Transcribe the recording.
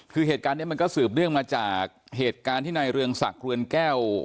คือเหตุการณ์นี้มันก็สืบเนื่องมาจากเหตุการณ์ที่นายเรืองศักดิ์เรือนแก้ว